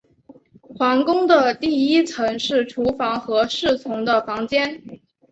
皇宫的第一层是厨房和侍从的房间。